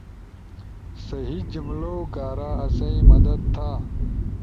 صحیح جملؤ کارا آسئی مدد تھا!